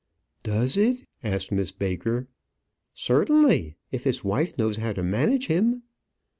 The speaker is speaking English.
"Does it?" asked Miss Baker. "Certainly; if his wife knows how to manage him."